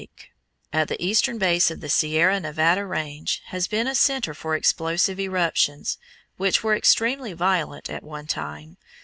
42, page 99), at the eastern base of the Sierra Nevada Range, has been a centre for explosive eruptions, which were extremely violent at one time.